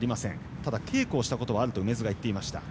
ただ、稽古をしたことがあると梅津が言っていました。